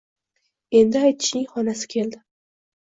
Endi aytishning xonasi keldi